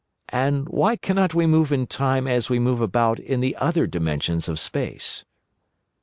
And why cannot we move in Time as we move about in the other dimensions of Space?"